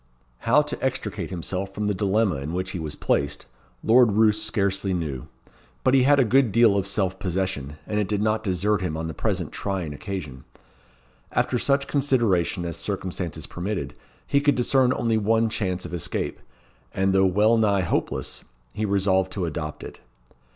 How to extricate himself from the dilemma in which he was placed, Lord Roos scarcely knew. But he had a good deal of self possession, and it did not desert him on the present trying occasion. After such consideration as circumstances permitted, he could discern only one chance of escape, and though well nigh hopeless, he resolved to adopt it.